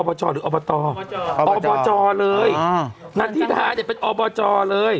หรืออบตอบจเลยอ่านันทิดาเนี่ยเป็นอบจเลย